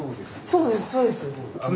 そうですそうです。